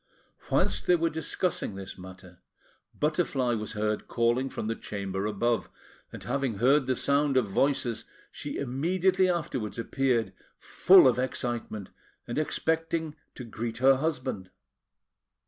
Whilst they were discussing this matter, Butterfly was heard calling from the chamber above; and having heard the sound of voices, she immediately afterwards appeared, full of excitement, and expecting to greet her husband.